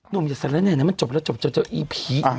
นุ่มอย่าใส่แล้วเนี่ยมันจบแล้วจบอีผีอีแหวง